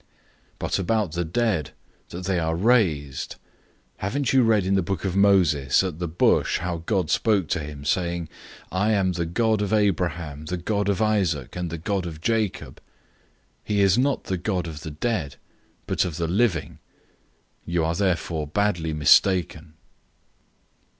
012:026 But about the dead, that they are raised; haven't you read in the book of Moses, about the Bush, how God spoke to him, saying, 'I am the God of Abraham, the God of Isaac, and the God of Jacob'{Exodus 3:6}? 012:027 He is not the God of the dead, but of the living. You are therefore badly mistaken."